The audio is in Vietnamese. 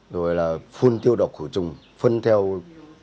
rồi là phun tiêu độc khử trùng phân theo quy định